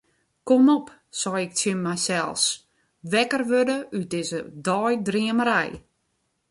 Kom op, sei ik tsjin mysels, wekker wurde út dizze deidreamerij.